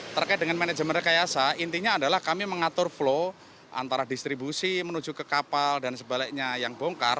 terkait dengan manajemen rekayasa intinya adalah kami mengatur flow antara distribusi menuju ke kapal dan sebaliknya yang bongkar